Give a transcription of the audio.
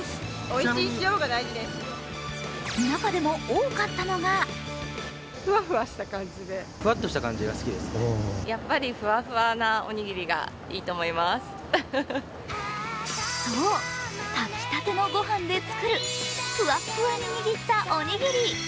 中でも多かったのがそう、炊きたてのご飯で作るふわっふわに握ったおにぎり。